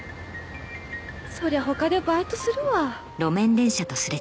そりゃ他でバイトするわ。